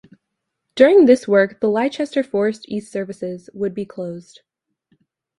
During this work the Leicester Forest East services would be closed.